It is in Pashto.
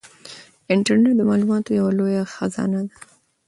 انټرنيټ د معلوماتو یوه لویه خزانه ده.